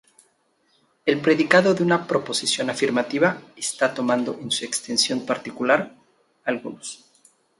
El predicado de una proposición afirmativa está tomado en su extensión particular, algunos.